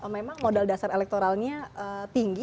memang modal dasar elektoralnya tinggi